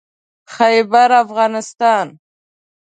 خيبرافغانستان